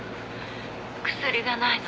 ☎薬がないの。